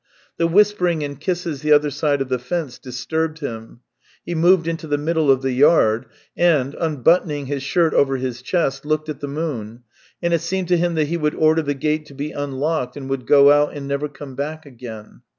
The whispering and kisses the other side of the fence disturbed him. He moved into the middle of the yard, and, unbuttoning his shirt over his chest, looked at the moon, and it seemed to him that he would order the gate to be unlocked, and would go out and never come back again.